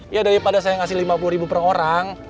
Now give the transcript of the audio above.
ya daripada saya ngasih lima puluh ribu per orang